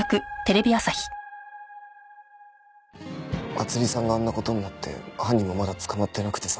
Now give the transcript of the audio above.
まつりさんがあんな事になって犯人もまだ捕まってなくてさ。